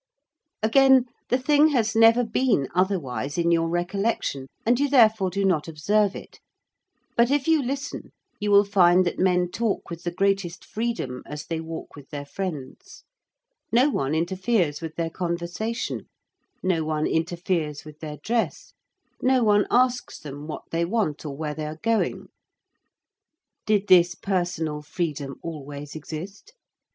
Again, the thing has never been otherwise in your recollection and you therefore do not observe it, but if you listen you will find that men talk with the greatest freedom as they walk with their friends: no one interferes with their conversation, no one interferes with their dress, no one asks them what they want or where they are going. Did this personal freedom always exist?